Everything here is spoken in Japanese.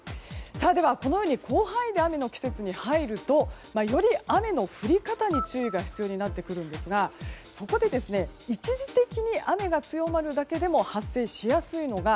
では、このように広範囲で雨の季節に入るとより雨の降り方に注意が必要になってくるんですが一時的に雨が強まるだけでも発生しやすくなるのが